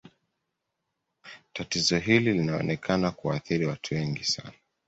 Tatizo hili lilionekana kuwaathiri watu wengi sana